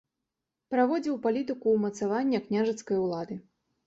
Праводзіў палітыку ўмацавання княжацкай улады.